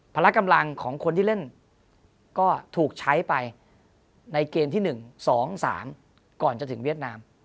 ละกำลังของคนที่เล่นก็ถูกใช้ไปในเกมที่๑๒๓ก่อนจะถึงเวียดนาม